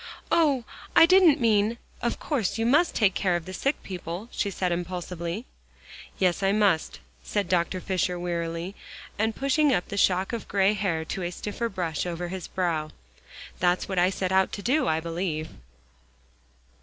"Oh! I didn't mean of course you must take care of the sick people," she said impulsively. "Yes, I must," said Dr. Fisher wearily, and pushing up the shock of gray hair to a stiffer brush over his brow. "That's what I set out to do, I believe."